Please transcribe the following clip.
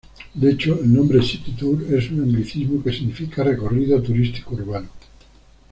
De hecho el nombre "City Tour" es un anglicismo que significa "recorrido turístico urbano".